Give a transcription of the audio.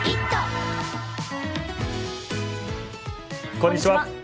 こんにちは。